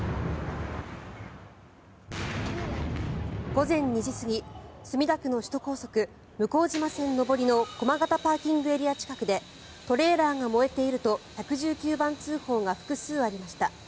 午前２時過ぎ墨田区の首都高速向島線上りの駒形ＰＡ近くでトレーラーが燃えていると１１９番通報が複数ありました。